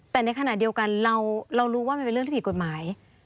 แต่ในขณะเดียวกันเรารู้ว่ามันเป็นเรื่องที่ผิดกฎหมาย